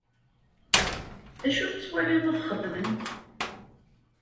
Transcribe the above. D acu tettwaliḍ ad t-xedmen?